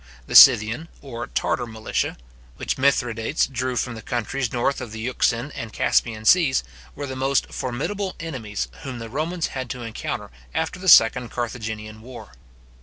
The Scythian or Tartar militia, which Mithridates drew from the countries north of the Euxine and Caspian seas, were the most formidable enemies whom the Romans had to encounter after the second Carthaginian war.